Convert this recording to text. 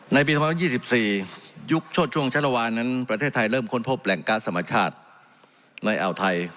ในปี๒๐๒๔ยุคโชดช่วงชะละวานนั้นประเทศไทยเริ่มค้นพบแหล่งก๊าซธรรมชาติในอ่าวไทย